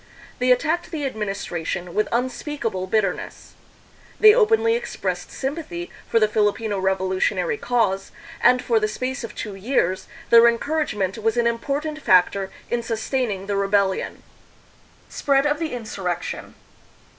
They attacked the administration with unspeakable bitterness. They openly expressed sympathy for the Filipino revolu tionary cause, and for the space of two years their encour agement was an important factor in sustaining the rebellion. Spread of the Insurrection.